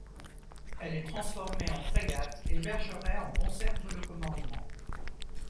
Elle est transformée en frégate et Bergeret en conserve le commandement.